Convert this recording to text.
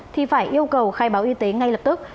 thì phải yêu cầu khai báo y tế ngay lập tức